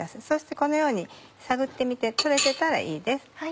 そしてこのように探ってみて取れてたらいいです。